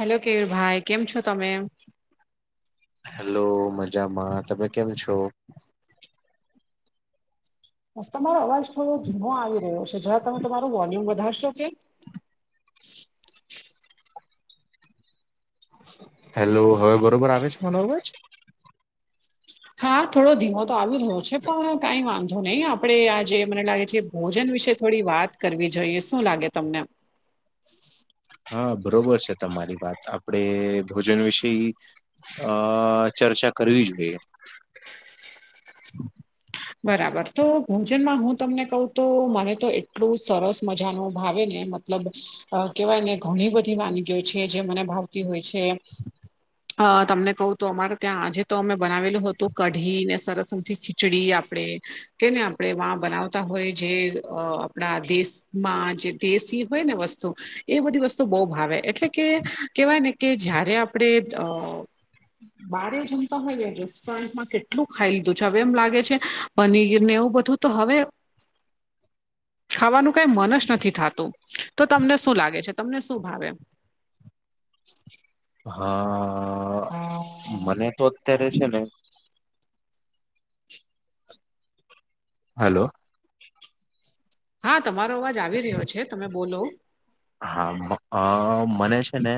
Hello Keval ભાઈ કેમ છો તમે હેલો મજામાં તમે કેમ છો બસ તમારો અવાજ થોડો ધીમો આવી રહ્યો છે જરા તમે તમારું વોલ્યુમ વધારશો કે હેલો હવે બરોબર આવે છે મારો અવાજ હા થોડો ધીમો તો આવી રહયો છે પણ કઈ વાંધો નહી આપ આપડણે આ જે મને લાગે છે ભોજન વિશે થોડી વાત કરવી જોઈએ શું લાગે તમને હા બરોબર છે તમારી વાત આપડે ભોજન વિશે અ ચર્ચા કરવી જોઈએ બરાબર તો ભોજનમાં હું તમને કહ તો મને તો એટલું સરસ મજા ન ભાવે ને મતલબ કેહેવાય ને ઘણી બધી વાનગીઓ છે જે મને ભાવતી હોય છે અ તમને કહું તો અમારે ત્યાં આજે તો અમે બનાવેલું હતું કઢી ને સરસમથી ખીચડી આપડે તેને આપણે વા બનાવતા હોય જે આપણા દેશમાં જે દેશી હોય ને વસ્તુ એ બધી વસ્તુ બહુ ભાવે એટલે કે કેહેવાય ને કે જયારે આપણે અ બારે જમતા હોય રેસ્ટોરન્ટમાં કેટલું ખાઈ લીધું છે હવે એમ લાગે છે પનીર ને એવું બધું તો હવે ખાવાનું કઈ મન જ નથી થતું તો તમને શું લાગે છે તમને શું ભાવે હા મને તો અત્યારે છે ને હલો હા તમારો અવાજ આવી રહ્યો છે તમે બોલો હા મને છે ને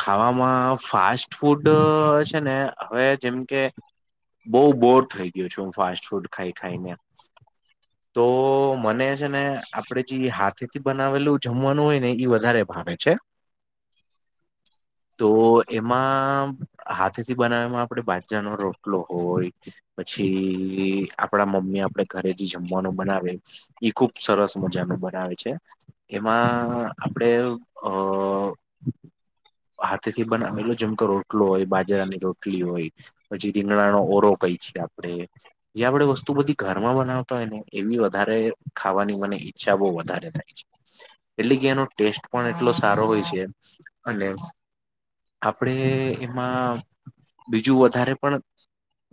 ખાવામાં ફાસ્ટ ફૂડ છે ને હવે જેમ કે બઉુ બોર થઈ ગયું છેું હું ફાસ્ટ ફૂડ ખાઈ ખાઈને તો મને છે ને આપડે જે હાથેથી બનાવેલું જમવાનું હોય ને વધારે ભાવે છે [inaudible] તો એમાં હાથેથી બનાવમાં આપડે બાજરાનોો રોટલો હોય પછી આપણા મમ્મી આપડે ઘરે જે જમવાનું બનાવે ઈ ખુબ સરસ મજા મે બનાવે છે એમાં આપણે અ હાથે થી બના એલો જેમ કે રોટલો હોય બાજરાની રોટલી હોય પછી રીંગણાનોો ઓરો કઈ છેીએ આપણે જે આપણેે વસ્તુ બધી ઘરમાં બનાવતા હોય ને એવી વધારે ખાવાની મને ઈચ્છા બહ વધારે થાય છે એટલે કે એનો ટેસ્ટ પણ એટલો સારો હોય છે અને આપડે એમાં બીજું વધારે પણ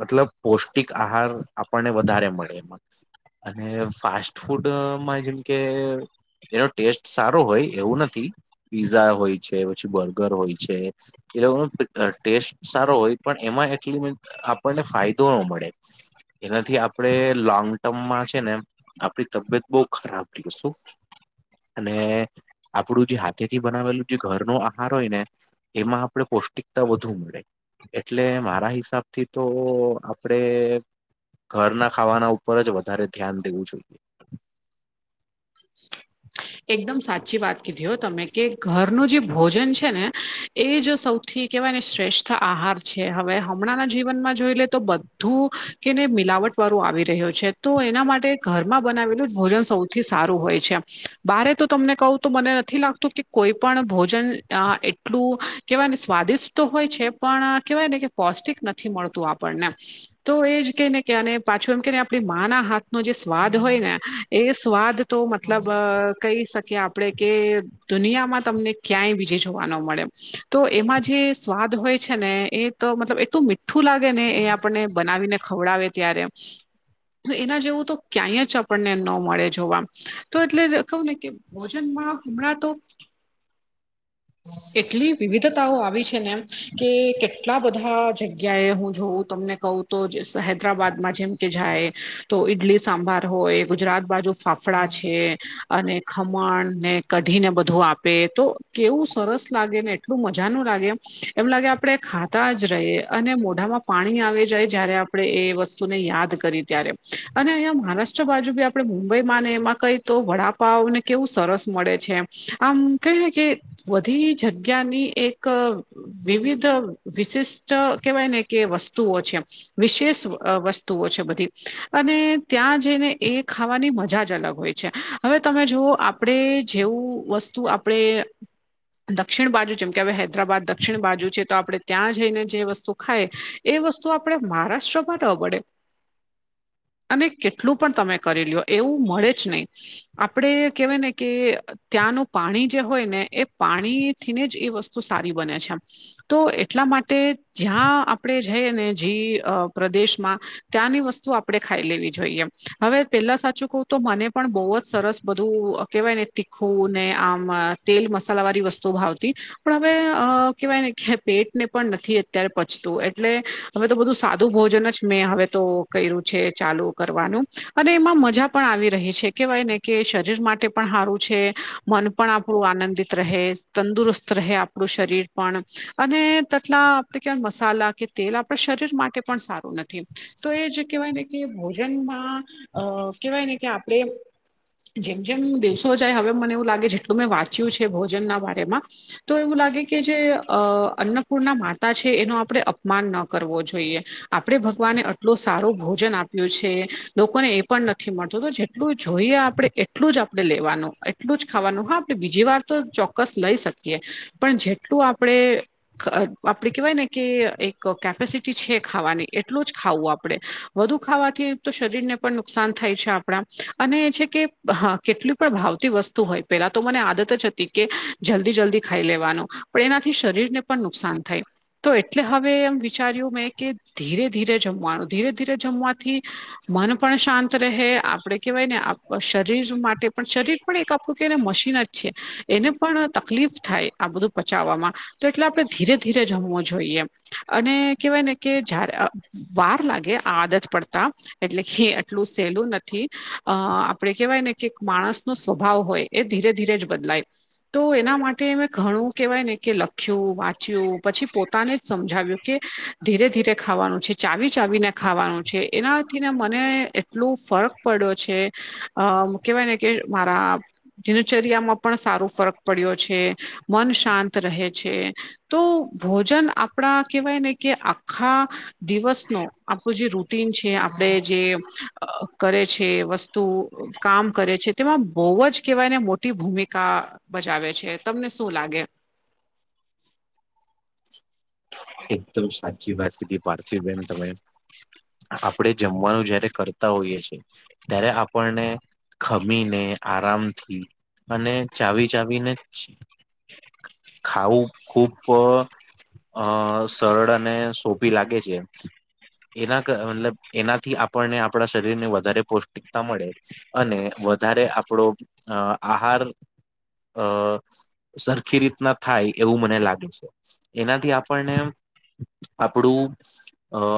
મતલબ પૌષ્ટિક આહાર આપણને વધારે મળે એમાં અને ફાસ્ટ ફૂડમાં જેમ કે એનો ટેસ્ટ સારો હોય એવું નથી પીઝા હોય છે પછી બર્ગર હોય છે એ લોકો ટેસ્ટ સારો હોય પણ એમાં એટલી આપણને ફાયદો ન મળે એનાથી આપણેે લોંગ ટર્મમાં છે ને આપડી તબિયત બહુ ખરાબ ર શું અને આપડું જે હાથે થી બનાવેલું જે ઘર નો આહાર હોય ને એમાં આપણે પૌષ્ટિકતા વધુ મળે એટલે મારા હિસાબ થી તો આપડે ઘરના ખાવાના ઉપર જ વધારે ધ્યાન દેવું જોઈએ એકદમ સાચી વાત કીધી હો તમે કે ઘરનું જે ભોજન છે ને એ જો સૌથી કેવાય ને શ્રેષ્ઠ આહાર છે હવે હમણાં ના જીવનમાં જોઈ લે તો બધું કેને મિલાવટ વાળો આવી રહ્યો છે તો એના માટે ઘરમાં બનાવેલું જ ભોજન સૌથી સારું હોય છે બારે તો તમને કહું તો મને નથી લાગતું કે કોઈ પણ ભોજન એટલું કેવાય ને સ્વાદિષ્ટ તો હોય છે પણ કેહેવાય ને કે પૌષ્ટિક નથી મળતું આપણને તો એ જ કે ને કેને પાછું એમ કેને આપણી મા ના હાથ નો જે સ્વાદ હોય ને એ સ્વાદ તો મતલબ કહી શકીએ આપણેે કે દુનિયામાં તમને ક્યાંય બીજે જોવાનો મળે તો એમાં જે સ્વાદ હોય છે ને એ તો મતલબ એટલું મીઠું લાગે ને એ આપણને બનાવીને ખવડાવે ત્યારે તો એના જેવું તો ક્યાંય જ આપણને ન મળે જોવા તો એટલે ક ને કે ભોજનમાં હમણાં તો એટલી વિવિધતાઓ આવી છે ને એમ કે કેટલા બધા જગ્યાએ હું જોઉં તમને કહું તો હૈદરાબાદમાં જેમ કે જાય તો ઈડલી સાંભાર હોય ગુજરાત બાજુ ફાફડા છે અને ખમણ ને કઢીને બધું આપે તો કેવું સરસ લાગે ને એટલું મજાનું લાગે એમ એમ લાગે આપડણે ખાતા જ રહીએ અને મોઢામાં પાણી આવી જાય જ્યારે આપણે એ વસ્તુને યાદ કરી ત્યારે અને અહીં મહારાષ્ટ્ર બાજુ બી આપણે મુંબઈમાં ને એમાં કઈ તો વડા વડા પાઉ ને એ કેવું સરસ મળે છે એમાં કઈ એ ને કે બધી જગ્યાની એક વિવિધ વિશિષ્ટ કેહેવાય ને કે વસ્તુઓ છે વિશેષ વસ તુઓ છે, બધી અને ત્યાં જઈને એ ખાવાની મજા જ અલગ હોય છે. હવે તમે જોવો આપણે જેવું વસ્તુ આપણે દક્ષિણ બાજુ જેમ કે હવે હૈદરાબાદ દક્ષિણ બાજુ છે, તો આપણે ત્યાં જઈને જે વસ્તુ ખાયે એ વસ્તુ આપણે મહારાષ્ટ્રમાં ન મળે અને કેટલું પણ તમે કરીલયો એવું મળે જ નય આપડે કેહેવાય ને કે ત્યાંનું પાણી જે હોય ને એ પાણી થીને જ એ વસ્તુ સારી બને છે. તો એટલા માટે જ્યાં આપણે જઈએ ને જી અ પ્રદેશમાં ત્યાંની વસ્તુ આપણે ખાઈ લેવી જોઈએ હવે પેલા સાચું કહું તો મને પણ બોવ જ સરસ બધું કેહેવાય ને તીખું ને આમ તેલ મસાલા વાળી વસ્તુઓ ભાવતી પણ હવે અ કહેવાય ને કે પેટને પણ નથી અત્યારે પચતું એટલે હવે તો બધું સાદું ભોજન જ મેં હવે તો કર્યું છે, ચાલુ કરવાનું અને એમાં મજા પણ આવી રહી છે, કેવાય ને કે શરીર માટે પણ હારું છે. મન પણ આપણું આનંદિત રહે તંદુરસ્ત રહે આપણું શરીર પણ અને તેટલા આપડે કયાંક મસાલા કે તેલ આપણા શરીર માટે પણ સારું ન તો એ જ કહેવાય ને કે ભોજનમાં અ કહેવાય ને કે આપણે જેમ જેમ દિવસો જાય હવે મને એવું લાગે જેટલું મેં વાંચ્યું છે, ભોજનના બારેમા તો એવું લાગે કે જે અ અન્નપૂર્ણા માતા છે, એનો આપણે અપમાન ન કરવો જોઈએ આપણેે ભગવાને આટલું સારું ભોજન આપ્યું છે, લોકોને એ પણ નથી મળતું તો જેટલું જોઈએ આપણે એટલું જ આપણે લેવાનું એટલું જ ખાવાનું હા આપણે બીજી વાર તો ચોક્કસ લઈ શકીએ પણ જેટલું આપણેે આપણે કેહેવાય ને કે એક કેપેસિટી છે, ખાવાની એટલું જ ખાવું આપણે વધુ ખાવાથી તો શરીરને પણ નુકસાન થાય છે, આપણા અને એ છે કે હા કેટલી પણ ભાવતી વસ્તુ હોય પેલા તો મને આદત જ હતી કે જલ્દી જલ્દી ખાઈ લેવાનું પણ એનાથી શરીરને પણ નુકસાન થાય તો એટલે હવે એમ વિચાર્યું મેં કે ધીરે ધીરે જમવાનું ધીરે ધીરે જમવાથી મન પણ શાંત રહે આપડે કેવાય ને શ માટે પણ શરીર પણ એક આપડું કેને મ શીન જ છે, એને પણ તકલીફ થાય આ બધું પચાવામાં તો એટલે આપણે ધીરે ધીરે જમવું જોઈએ અને કેહેવાય ને કે જારે અ વાર લાગે આ આદત પડતા એટલે હે એટલું સહેલું નથી અ આપણે કહેવાય ને કે માણસ નો સ્વભાવ હોય એ ધીરે ધીરે જ બદલાય તો એના માટે મે ઘણું કેહેવાય ને કે લ ખ્યું વાંચ્યું પછી પોતાને જ સમજાવ્યું કે ધીરે ધીરે ખાવાનું છે, ચાવી ચાવીને ખાવાનું છે, એનાથીને મને એટલુ ફરક પડ્યો છે, અ કેવાય ને કે મારા દીનચર્યામાં પણ સારો ફરક પડ્યો છે, મન શાંત રહે છે. તો ભોજન આપણા કેહેવાય ને કે આખા દિવસનો આપણું જે રૂટીન છે, આપણે જે કરે છે, વસ્તુ કામ કરે છે તેમાં બોવ જ કેવાય ને મોટી ભૂમિકા ભજાવે છે, તમને શું લાગે? એકદમ સાચી વાત કીધી પાર્થિવ બેન તમે આપડે જમવાનું જયારે કરતા હોઈએ છે. ત્યારે આપણને ખમીને આરામથી અને ચાવી ચાવી ને ખાવું ખૂબ અ સરળ અને સોપી લાગે છે. એના મતલબ એનાથી આપણને આપણા શરીરને વધારે પૌષ્ટિકતા મળે અને વધારે આપણો અ આહાર અ સરખી રીતના થાય એવું મને લાગે છે. એનાથી આપણને આપણું અ.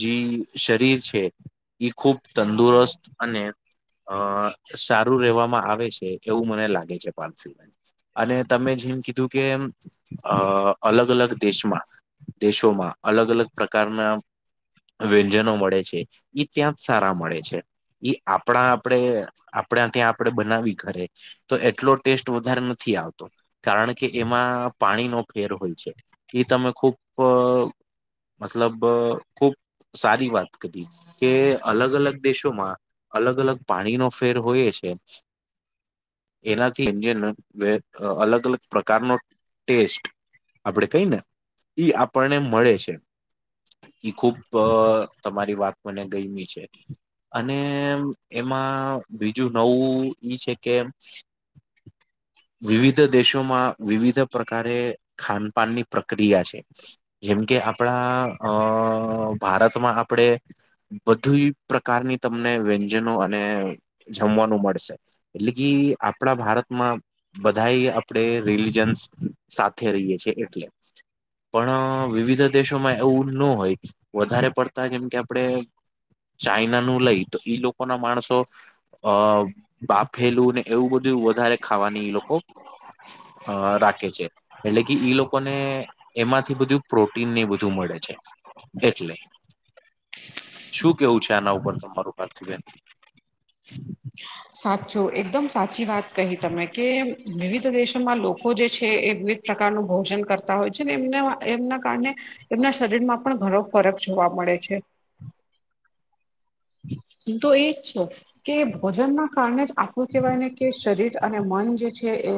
જે શરીર છે, એ ખૂબ તંદુરસ્ત અને. અ સારું રેવામાં આવે છે. એવું મને લાગે છે પાર્થિવબેન અને તમે જેમ કીધું કે, અ અલગ અલગ દેશમાં. દેશોમાં, અલગ અલગ પ્રકારના. વ્યંજનો મળે છે. એ ત્યાં જ સારા મળે છે. ઈ આપણા આપડે આપણા ત્યાં આપડે બનાવી ઘરે. તો એટલો ટેસ્ટ વધારે નથી. થી આવતો. કારણ કે એમાં પાણી નો ફેર હોય છે. ઈ તમે ખૂબ મતલબ ખુબ. સારી વાત કરી. કે અલગ અલગ દેશોમાં. અલગ અલગ પાણીનો ફેર હોય છે. એનાથી એન્જન. વે અલગ અલગ પ્રકારનો ટેસ્ટ. આપણેે કઈ ને, ઈ આપણને મળે છે. ઈ ખુબ તમારી વાત મને ગયમી છે. અને એમાં બીજું નવું ઈ છે કે. વિવિધ દેશોમાં વિવિધ પ્રકારે ખાનપાનની પ્રક્રિયા છે. જેમ કે આપણા અ ભારતમાં આપણેે. બધુ પ્રકારની તમને વ્યંજનો અને જમવાનું મળશે. એટલે કે, આપડા ભારતમાં. બધા આપણેે રિલીજન્સ સાથે રહીએ છ છેએ એટલે. પણ વિવિધ દેશોમાં એવું ન હોય. વધારે પડતા કેમ કે આપડણે. ચાઈના નું લઈ. તો ઈ લોકો ના માણસો. અ બાફેલું ને એવું બધું વધારે. ખાવાની ઈ લોકો અ રાખે છે. એટલે કે ઈ લોકોને. એમાંથી બધું પ્રોટીન ને એ બધું મળે છે એટલે. શું કેવું છે આના ઉપર તમારું પાર્થીબેન? સાચું એકદમ સાચી વાત કહી તમે. કે વિવિધ દેશોમાં લોકો જે છે એ વિવ. પ્રકારનું ભોજન કરતા હોય છે, ને એમને એમના કારણે. એમના શરીર માં પણ ઘણો ફરક જોવા મળે છે. તો એ જ છો.. કે ભોજનના કારણે જ આપણું કહેવાય ને, કે શરીર અને મન જે છે એ.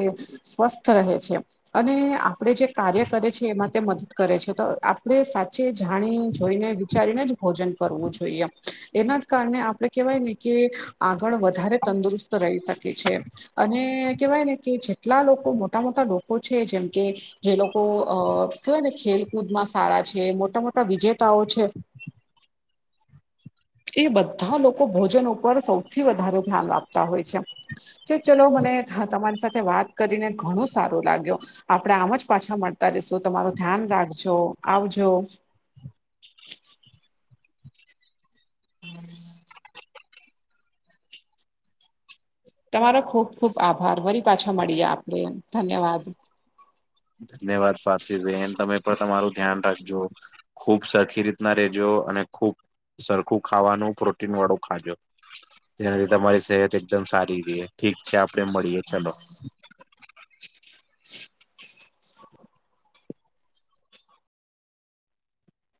સ્વસ્થ રહે છે. અને આપણેે જે કાર્ય કરે છે. એમાં મદદ કરે છે. તો આપણે સાચે જાણી જોઈને. વિચારીને જ ભોજન કરવું જોઈએ. એના કારણે આપણે કેવાય ને કે, આગળ વધારે તંદુરસ્ત રહી શકે છે. અને કેવાય ને કે, જેટલા લોકો મોટા મોટા લોકો છે જેમ કે. જે લોકો અ કેવાય ને ખેલકૂદમાં સારા છે. મોટા મોટા વિજેતાઓ છે. એ બધા લોકો ભોજન ઉપર સૌથી વધારે ધ્યાન આપતા હોય છે. કે ચલો મને તમારી સાથે વાત કરીને ઘણું સારું લાગ્યો. આપડે આમ જ પાછા મળતા રસું તમારું ધ્યાન રાખજો. આવજો. [inaudible] તમારો ખુબ ખુબ આભાર. ફરી પાછા મળીએ આપડ ધન્યવાદ. ધન્યવાદ પારસભેન. તમે પણ તમારું ધ્યાન રાખજો. ખૂબ સરખી રીતના રેજો. અને ખુબ સરખું ખાવાનું પ્રોટીન વાળું ખાજો. તેનાથી તમારી સેહત એકદમ સારી ર ઠીક છે આપે મળીએ ચલો. [unintelligible]